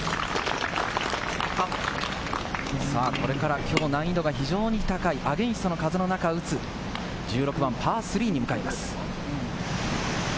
これから、きょう、難易度が非常に高いアゲンストの風の中で打つ、１６番パー３に向かいます。